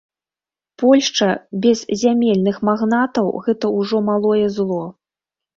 Польшча без зямельных магнатаў гэта ўжо малое зло.